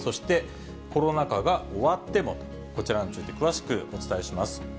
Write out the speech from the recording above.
コロナ禍が終わってもと、こちらについて詳しくお伝えします。